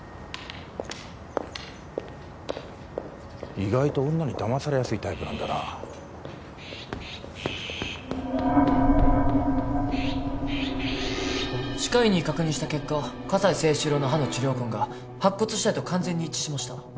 意外と女にだまされやすいタイプなんだな歯科医に確認した結果葛西征四郎の歯の治療痕が白骨死体と完全に一致しました